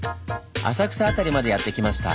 浅草辺りまでやって来ました。